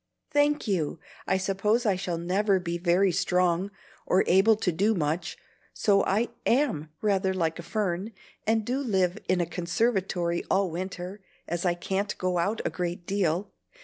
"Thank you! I suppose I shall never be very strong or able to do much; so I AM rather like a fern, and do live in a conservatory all winter, as I can't go out a great deal.